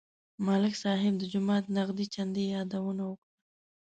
ملک صاحب د جومات نغدې چندې یادونه وکړه.